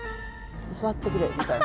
「座ってくれ」みたいな。